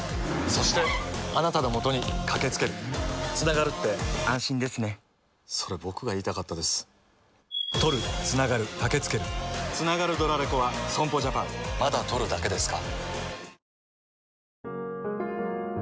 そして、あなたのもとにかけつけるつながるって安心ですねそれ、僕が言いたかったですつながるドラレコは損保ジャパンまだ録るだけですか？